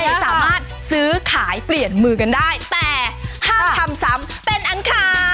ยังสามารถซื้อขายเปลี่ยนมือกันได้แต่ห้ามทำซ้ำเป็นอันขาด